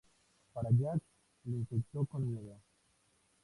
Parallax lo infectó con miedo.